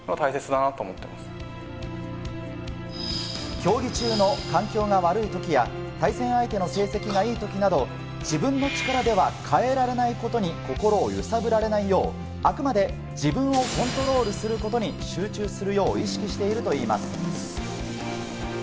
競技中の環境が悪い時や、対戦相手の成績が良い時など自分の力では変えられないことに心を揺さぶられないよう、あくまで自分をコントロールすることに集中するよう意識しているといいます。